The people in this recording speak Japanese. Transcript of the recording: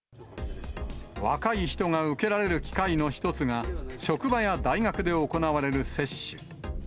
若い人が受けられる機会の一つが、職場や大学で行われる接種。